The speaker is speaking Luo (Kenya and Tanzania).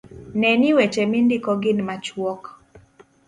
Ne ni weche mindiko gin machuok